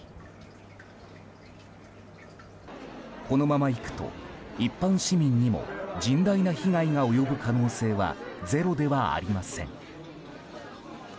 このままいくと、一般市民にも甚大な被害が及ぶ可能性はゼロではありません。